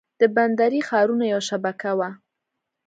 د بندري ښارونو یوه شبکه وه